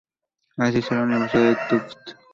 Asistió la Universidad Tufts.